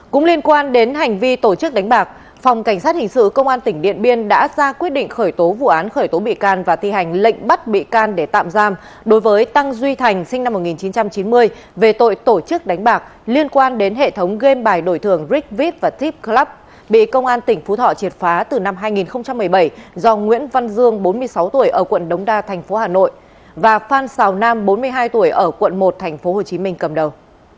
cũng liên quan đến hành vi tổ chức đánh bạc phòng cảnh sát hình sự công an tỉnh điện biên đã ra quyết định khởi tố vụ án khởi tố bị can và thi hành lệnh bắt bị can để tạm giam đối với tăng duy thành sinh năm một nghìn chín trăm chín mươi về tội tổ chức đánh bạc liên quan đến hệ thống game bài đổi thường rig vip và tip club bị công an tỉnh phú thọ triệt phá từ năm hai nghìn một mươi bảy do nguyễn văn dương bốn mươi sáu tuổi ở quận đống đa tp hà nội và phan xào nam bốn mươi hai tuổi ở quận một tp hồ chí minh cầm đầu